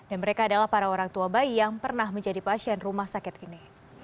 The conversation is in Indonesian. dan mereka adalah para orang tua bayi yang pernah menjadi pasien rumah sakit ini